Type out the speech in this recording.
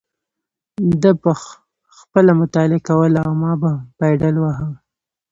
ده به خپله مطالعه کوله او ما به پایډل واهه.